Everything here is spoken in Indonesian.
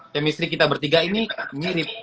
chemistry kita bertiga ini mirip